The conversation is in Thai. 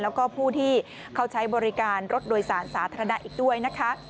แล้วก็ผู้ที่เขาใช้บริการรถโดยสารสาธารณะอีกด้วยนะคะ